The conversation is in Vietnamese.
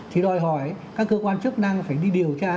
thì đòi hỏi các cơ quan chức năng phải đi điều tra